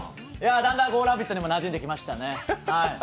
だんだん「ラヴィット！」にもなじんできましたね。